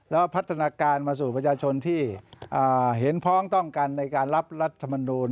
แล้วพัฒนาการมาสู่ประชาชนที่เห็นพ้องต้องกันในการรับรัฐมนูล